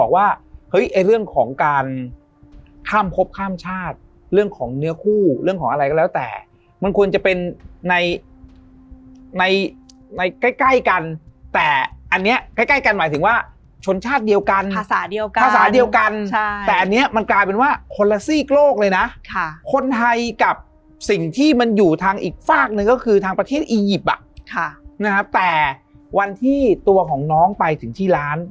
การข้ามครบข้ามชาติเรื่องของเนื้อคู่เรื่องของอะไรก็แล้วแต่มันควรจะเป็นในในในใกล้ใกล้กันแต่อันเนี้ยใกล้ใกล้กันหมายถึงว่าชนชาติเดียวกันภาษาเดียวกันภาษาเดียวกันใช่แต่อันเนี้ยมันกลายเป็นว่าคนละซีกโลกเลยน่ะค่ะคนไทยกับสิ่งที่มันอยู่ทางอีกฝากนึงก็คือทางประเทศอียิปต์อ่ะ